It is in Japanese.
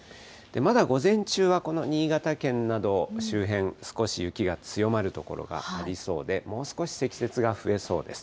まだ午前中はこの新潟県など、周辺、少し雪が強まる所がありそうで、もう少し積雪が増えそうです。